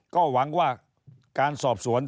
ก็หวังว่าการสอบสวน